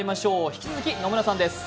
引き続き、野村さんです。